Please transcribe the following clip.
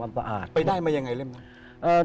อ้ำประอาจไปได้มายังไง๑๙๘๒นอคอซูอา